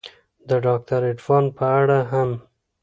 د داکتر عرفان په اړه هم